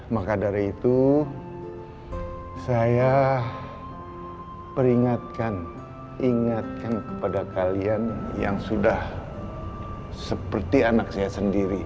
maka dari itu saya peringatkan ingatkan kepada kalian yang sudah seperti anak saya sendiri